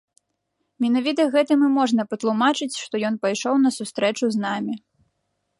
Менавіта гэтым і можна патлумачыць, што ён пайшоў на сустрэчу з намі.